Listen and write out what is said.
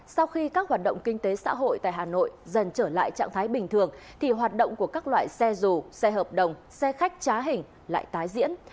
sau khi các hoạt động kinh tế xã hội tại hà nội dần trở lại trạng thái bình thường thì hoạt động của các loại xe dù xe hợp đồng xe khách trá hình lại tái diễn